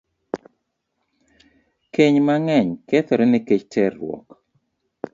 Keny mang'eny kethore nikech terruok.